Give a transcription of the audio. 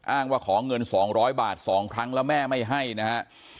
อ้างว่าขอเงิน๒๐๐บาท๒ครั้งแล้วแม่ไม่ให้นะฮะ